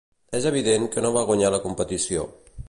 És evident que no va guanyar la competició.